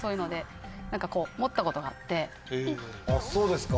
あっそうですか。